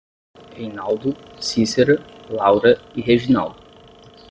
Reinaldo, Cícera, Laura e Reginaldo